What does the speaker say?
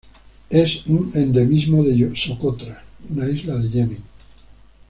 Es un endemismo de Socotra, una isla de Yemen.